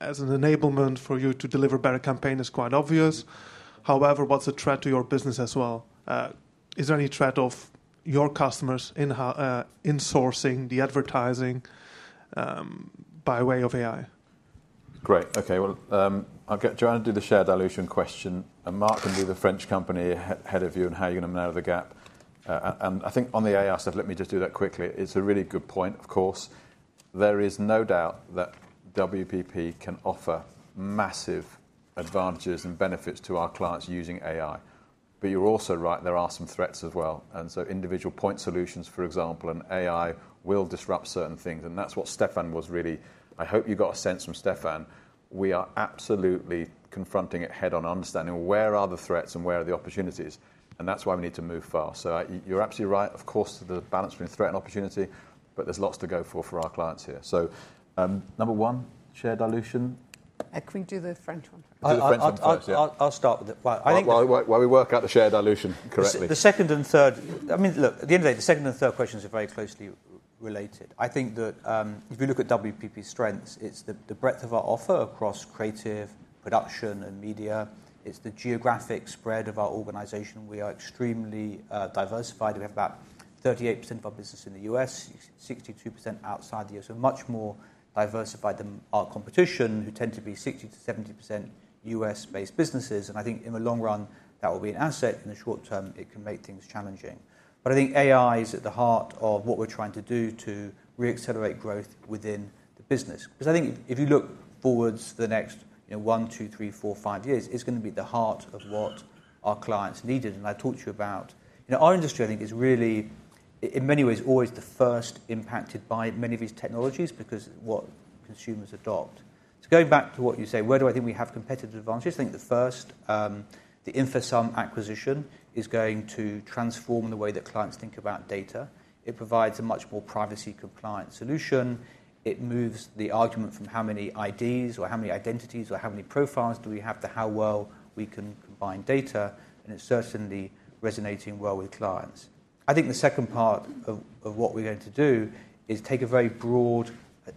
as an enablement for you to deliver better campaign is quite obvious. However, what's the threat to your business as well? Is there any threat of your customers in sourcing the advertising by way of AI? Great. Okay. I'll get Joanne to do the share dilution question. Mark can be the French company head of view and how you're going to maneuver the gap. I think on the AI stuff, let me just do that quickly. It's a really good point, of course. There is no doubt that WPP can offer massive advantages and benefits to our clients using AI. You're also right, there are some threats as well. Individual point solutions, for example, and AI will disrupt certain things. That's what Stephan was really, I hope you got a sense from Stephan. We are absolutely confronting it head-on, understanding where are the threats and where are the opportunities. That's why we need to move fast. You're absolutely right, of course, to the balance between threat and opportunity. There's lots to go for for our clients here. So number one, share dilution. Can we do the French one? Oh, the French one. I'll start with it. While we work out the share dilution correctly. The second and third, I mean, look, at the end of the day, the second and third questions are very closely related. I think that if you look at WPP's strengths, it's the breadth of our offer across creative production and media. It's the geographic spread of our organization. We are extremely diversified. We have about 38% of our business in the U.S., 62% outside the U.S. We're much more diversified than our competition, who tend to be 60%-70% U.S.-based businesses. I think in the long run, that will be an asset. In the short term, it can make things challenging. I think AI is at the heart of what we're trying to do to reaccelerate growth within the business. Because I think if you look forwards to the next one, two, three, four, five years, it's going to be at the heart of what our clients needed. I talked to you about our industry, I think, is really, in many ways, always the first impacted by many of these technologies because of what consumers adopt. Going back to what you say, where do I think we have competitive advantages? I think the first, the InfoSum acquisition is going to transform the way that clients think about data. It provides a much more privacy-compliant solution. It moves the argument from how many IDs or how many identities or how many profiles do we have to how well we can combine data. It is certainly resonating well with clients. I think the second part of what we're going to do is take a very broad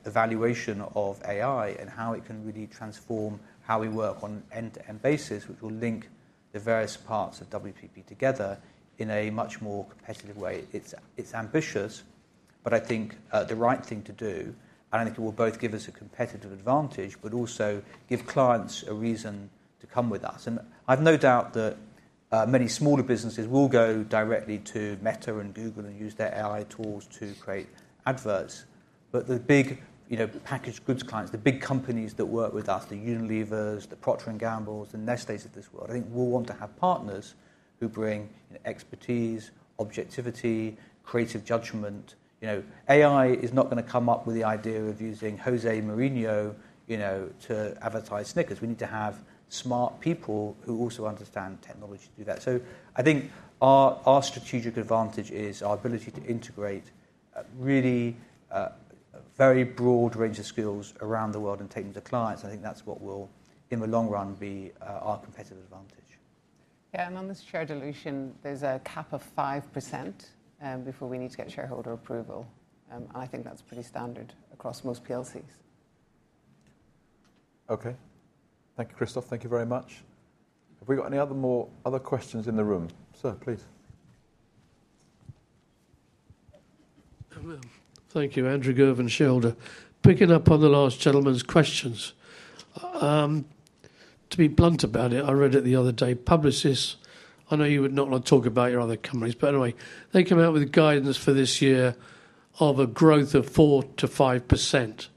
evaluation of AI and how it can really transform how we work on an end-to-end basis, which will link the various parts of WPP together in a much more competitive way. It is ambitious, but I think the right thing to do. I think it will both give us a competitive advantage, but also give clients a reason to come with us. I've no doubt that many smaller businesses will go directly to Meta and Google and use their AI tools to create adverts. The big packaged goods clients, the big companies that work with us, the Unilevers, the Procter and Gambles, the Nestlés of this world, I think will want to have partners who bring expertise, objectivity, creative judgment. AI is not going to come up with the idea of using José Mourinho to advertise Snickers. We need to have smart people who also understand technology to do that. I think our strategic advantage is our ability to integrate really a very broad range of skills around the world and take them to clients. I think that is what will, in the long run, be our competitive advantage. Yeah, and on this share dilution, there's a cap of 5% before we need to get shareholder approval. I think that's pretty standard across most PLCs. Okay. Thank you, Christoph. Thank you very much. Have we got any other questions in the room? Sir, please. Thank you, Andrew Gervin Schilder. Picking up on the last gentleman's questions. To be blunt about it, I read it the other day. Publicis, I know you would not want to talk about your other companies, but anyway, they came out with guidance for this year of a growth of 4%-5%.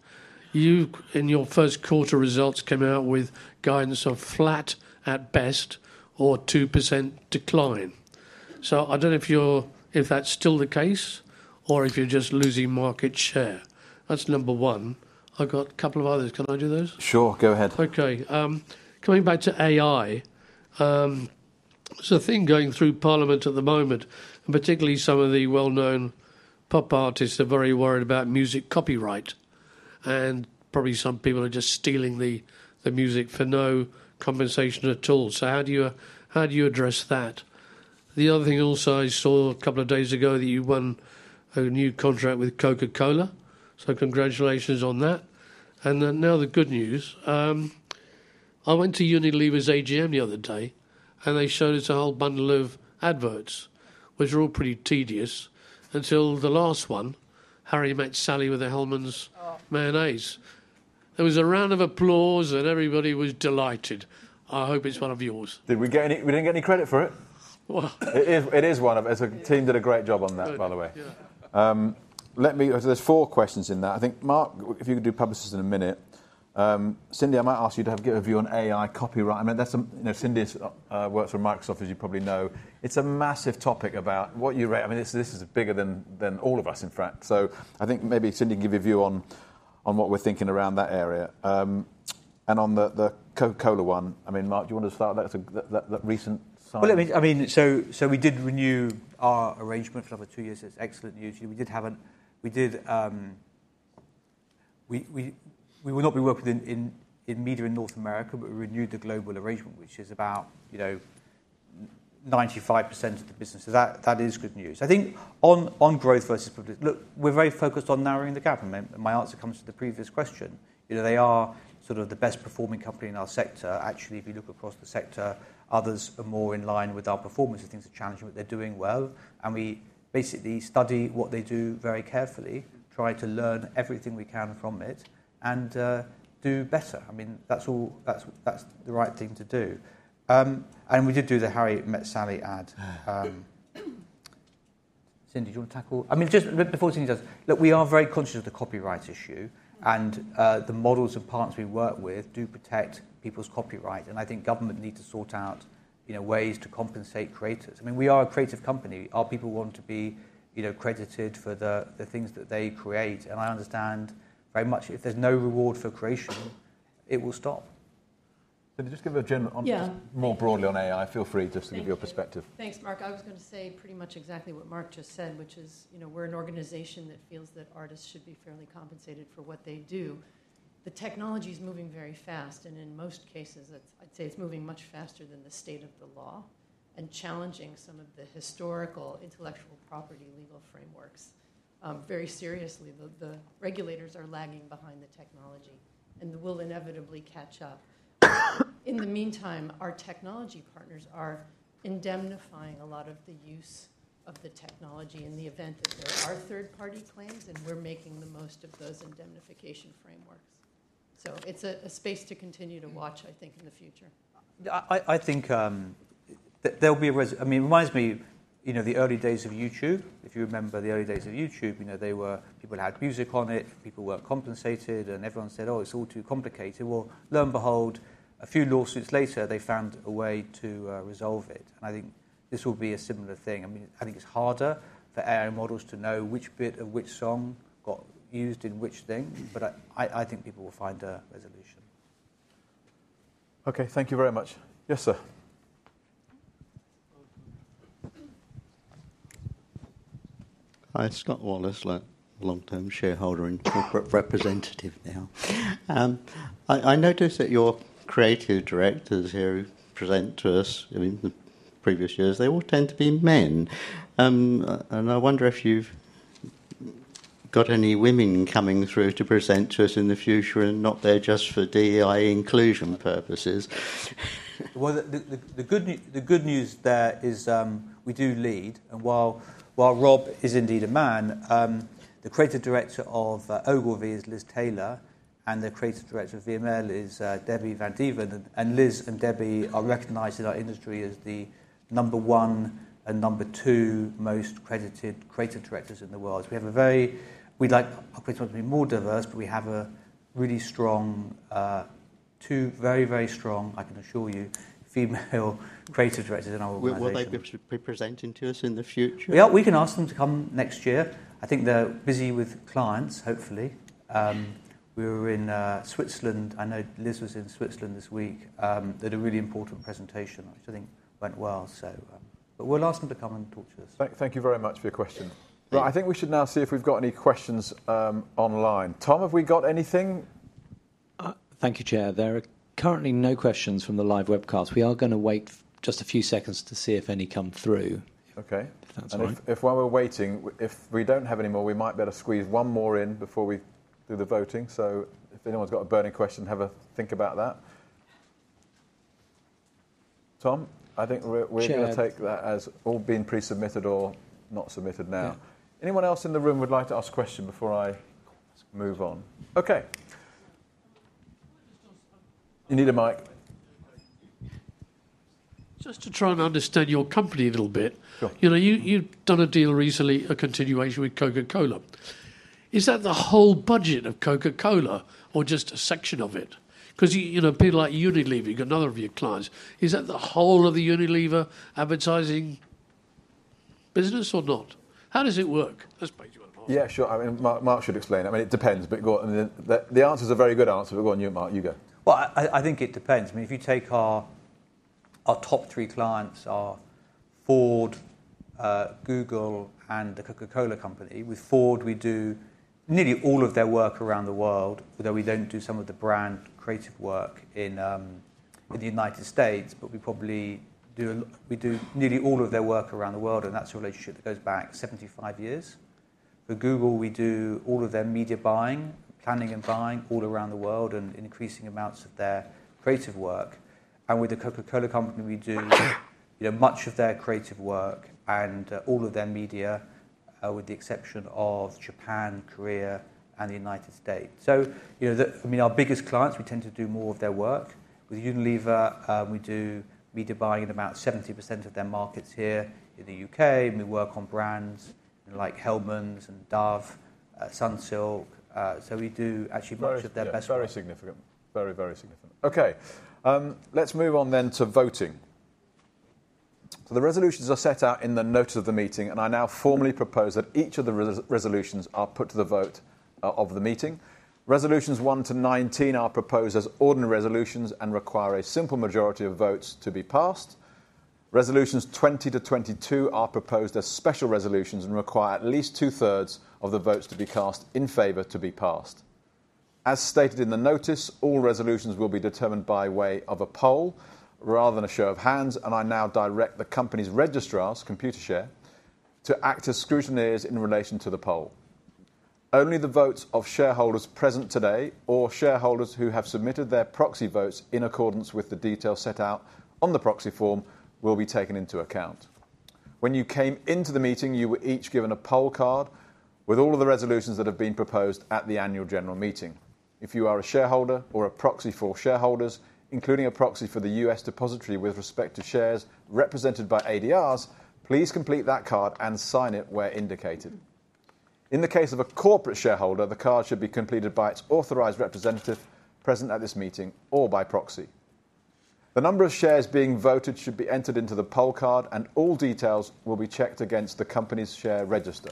You, in your first quarter results, came out with guidance of flat at best or 2% decline. I do not know if that's still the case or if you're just losing market share. That's number one. I've got a couple of others. Can I do those? Sure. Go ahead. Okay. Coming back to AI, there's a thing going through Parliament at the moment. Particularly, some of the well-known pop artists are very worried about music copyright. Probably some people are just stealing the music for no compensation at all. How do you address that? The other thing also, I saw a couple of days ago that you won a new contract with Coca-Cola. Congratulations on that. Now the good news. I went to Unilever's AGM the other day, and they showed us a whole bundle of adverts, which were all pretty tedious. Until the last one, Harry met Sally with a Hellmann's mayonnaise. There was a round of applause, and everybody was delighted. I hope it's one of yours. Did we get any? We did not get any credit for it? It is one of us. The team did a great job on that, by the way. There are four questions in that. I think, Mark, if you could do Publicis in a minute. Cindy, I might ask you to have a view on AI copyright. I mean, Cindy works for Microsoft, as you probably know. It is a massive topic about what you write. I mean, this is bigger than all of us, in fact. I think maybe Cindy can give you a view on what we are thinking around that area. On the Coca-Cola one, I mean, Mark, do you want to start with that recent? I mean, we did renew our arrangement for another two years. That's excellent news. We did have an, we will not be working in media in North America, but we renewed the global arrangement, which is about 95% of the business. That is good news. I think on growth versus Publicis, look, we're very focused on narrowing the gap. My answer comes to the previous question. They are sort of the best-performing company in our sector. Actually, if you look across the sector, others are more in line with our performance. I think it's challenging, but they're doing well. We basically study what they do very carefully, try to learn everything we can from it, and do better. I mean, that's the right thing to do. We did do the Harry met Sally ad. Cindy, do you want to tackle? I mean, just before Cindy does, look, we are very conscious of the copyright issue. The models of parts we work with do protect people's copyright. I think government needs to sort out ways to compensate creators. I mean, we are a creative company. Our people want to be credited for the things that they create. I understand very much if there's no reward for creation, it will stop. Cindy, just give a general answer more broadly on AI. Feel free just to give your perspective. Thanks, Mark. I was going to say pretty much exactly what Mark just said, which is we're an organization that feels that artists should be fairly compensated for what they do. The technology is moving very fast. In most cases, I'd say it's moving much faster than the state of the law and challenging some of the historical intellectual property legal frameworks very seriously. The regulators are lagging behind the technology, and they will inevitably catch up. In the meantime, our technology partners are indemnifying a lot of the use of the technology in the event that there are third-party claims, and we're making the most of those indemnification frameworks. It is a space to continue to watch, I think, in the future. I think there'll be a, I mean, it reminds me of the early days of YouTube. If you remember the early days of YouTube, they were, people had music on it, people weren't compensated, and everyone said, oh, it's all too complicated. Lo and behold, a few lawsuits later, they found a way to resolve it. I think this will be a similar thing. I mean, I think it's harder for AI models to know which bit of which song got used in which thing. I think people will find a resolution. Okay. Thank you very much. Yes, sir. Hi, Scott Wallace, long-term shareholder and corporate representative now. I notice that your creative directors here present to us in the previous years, they all tend to be men. I wonder if you've got any women coming through to present to us in the future and not there just for DEI inclusion purposes. The good news there is we do lead. While Rob is indeed a man, the creative director of Ogilvy is Liz Taylor, and the creative director of VML is Debbie VanDeven. Liz and Debbie are recognized in our industry as the number one and number two most credited creative directors in the world. We'd like our creative to be more diverse, but we have two very, very strong, I can assure you, female creative directors in our organization. Will they be presenting to us in the future? Yeah, we can ask them to come next year. I think they're busy with clients, hopefully. We were in Switzerland. I know Liz was in Switzerland this week. They had a really important presentation, which I think went well. We will ask them to come and talk to us. Thank you very much for your question. I think we should now see if we've got any questions online. Tom, have we got anything? Thank you, Chair. There are currently no questions from the live webcast. We are going to wait just a few seconds to see if any come through. Okay. If while we're waiting, if we do not have any more, we might be able to squeeze one more in before we do the voting. If anyone's got a burning question, have a think about that. Tom, I think we're going to take that as all being pre-submitted or not submitted now. Anyone else in the room would like to ask a question before I move on? Okay. You need a mic. Just to try and understand your company a little bit, you've done a deal recently, a continuation with Coca-Cola. Is that the whole budget of Coca-Cola or just a section of it? Because people like Unilever, you've got another of your clients. Is that the whole of the Unilever advertising business or not? How does it work? Yeah, sure. Mark should explain it. I mean, it depends. The answer is a very good answer. Go on, Mark, you go. I think it depends. I mean, if you take our top three clients, our Ford, Google, and the Coca-Cola Company, with Ford, we do nearly all of their work around the world, though we do not do some of the brand creative work in the U.S. We probably do nearly all of their work around the world. That is a relationship that goes back 75 years. For Google, we do all of their media buying, planning, and buying all around the world and increasing amounts of their creative work. With the Coca-Cola Company, we do much of their creative work and all of their media, with the exception of Japan, Korea, and the U.S. I mean, our biggest clients, we tend to do more of their work. With Unilever, we do media buying in about 70% of their markets here in the U.K. We work on brands like Hellmann's and Dove, Sunsilk. We do actually much of their best work. Very significant. Very, very significant. Okay. Let's move on then to voting. The resolutions are set out in the notice of the meeting. I now formally propose that each of the resolutions are put to the vote of the meeting. Resolutions 1-19 are proposed as ordinary resolutions and require a simple majority of votes to be passed. Resolutions 20-22 are proposed as special resolutions and require at least 2/3 of the votes to be cast in favor to be passed. As stated in the notice, all resolutions will be determined by way of a poll rather than a show of hands. I now direct the company's registrars, Computershare, to act as scrutineers in relation to the poll. Only the votes of shareholders present today or shareholders who have submitted their proxy votes in accordance with the details set out on the proxy form will be taken into account. When you came into the meeting, you were each given a poll card with all of the resolutions that have been proposed at the annual general meeting. If you are a shareholder or a proxy for shareholders, including a proxy for the U.S. depository with respect to shares represented by ADRs, please complete that card and sign it where indicated. In the case of a corporate shareholder, the card should be completed by its authorized representative present at this meeting or by proxy. The number of shares being voted should be entered into the poll card, and all details will be checked against the company's share register.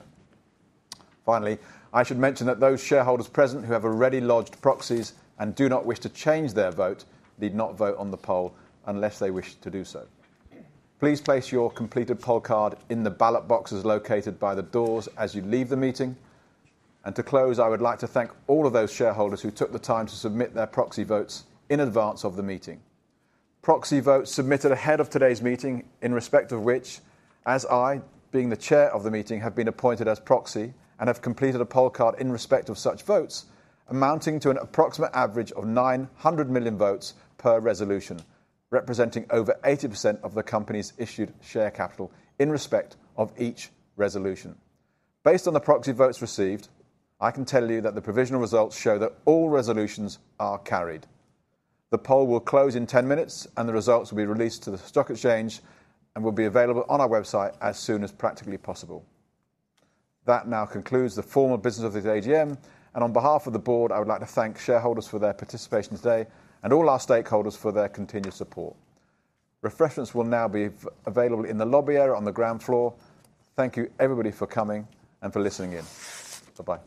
Finally, I should mention that those shareholders present who have already lodged proxies and do not wish to change their vote need not vote on the poll unless they wish to do so. Please place your completed poll card in the ballot boxes located by the doors as you leave the meeting. To close, I would like to thank all of those shareholders who took the time to submit their proxy votes in advance of the meeting. Proxy votes submitted ahead of today's meeting in respect of which, as I, being the Chair of the meeting, have been appointed as proxy and have completed a poll card in respect of such votes amounting to an approximate average of 900 million votes per resolution, representing over 80% of the company's issued share capital in respect of each resolution. Based on the proxy votes received, I can tell you that the provisional results show that all resolutions are carried. The poll will close in 10 minutes, and the results will be released to the stock exchange and will be available on our website as soon as practically possible. That now concludes the formal business of the AGM. On behalf of the Board, I would like to thank shareholders for their participation today and all our stakeholders for their continued support. Refreshments will now be available in the lobby area on the ground floor. Thank you, everybody, for coming and for listening in. Bye-bye.